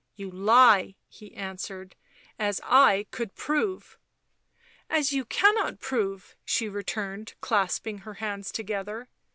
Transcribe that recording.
" You lie," he answered. " As I could prove." " As you cannot prove," she returned, clasping her hands together.